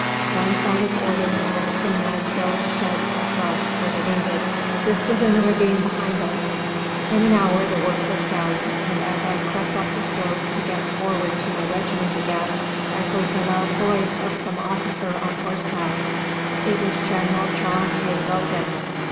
Once I was ordered to help some men build sheds of brush for the wounded. This was in a ravine behind us. In an hour the work was done, and as I crept up the slope to get forward to my regiment again I heard the loud voice of some officer on horseback. It was General John A. Logan.